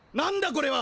これは。